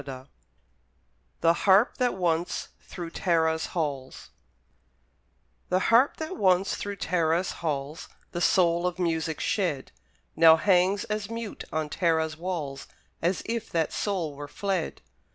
Moore THE HARP THAT ONCE THROUGH TARA'S HALLS The harp that once through Tara's halls The soul of music shed, Now hangs as mute on Tara's walls As if that soul were fled.